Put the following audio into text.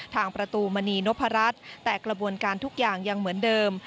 ทางประตูมณีนพรัชแต่กระบวนการทุกอย่างยังเหมือนเดิม